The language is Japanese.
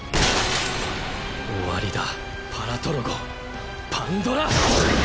終わりだパラトロゴパンドラ！